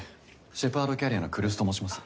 シェパードキャリアの来栖と申します。